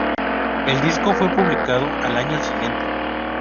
El disco fue publicado al año siguiente.